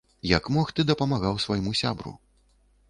Як мог, ты дапамагаў свайму сябру.